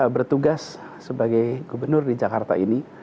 bertugas sebagai gubernur di jakarta ini